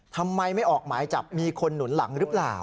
ทำไมไม่ออกหมายจับมีคนหนุนหลังหรือเปล่า